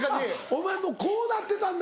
お前もうこうなってたんだ。